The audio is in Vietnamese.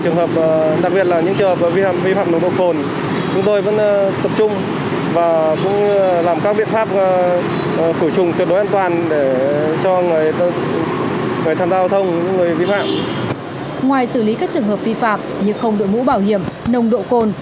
ngoài xử lý các trường hợp vi phạm như không đội mũ bảo hiểm nồng độ cồn